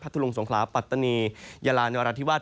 ฮัทธุรงศ์สงคลาปัตตณียาลาณรฐิวาส